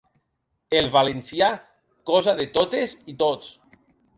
El valencià, cosa de totes i tots.